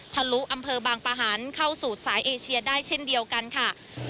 ทะลุอำเภอบางปะหันเข้าสู่สายเอเชียได้เช่นเดียวกันค่ะ